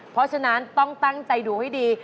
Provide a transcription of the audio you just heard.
เพราะฉะนั้นต้องตั้งใจดูให้ดี